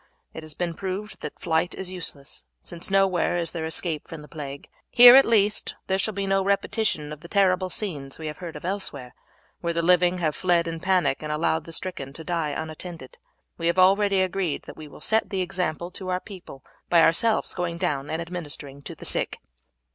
It has been proved that flight is useless, since nowhere is there escape from the plague; here, at least, there shall be no repetition of the terrible scenes we have heard of elsewhere, where the living have fled in panic and allowed the stricken to die unattended. We have already agreed that we will set the example to our people by ourselves going down and administering to the sick."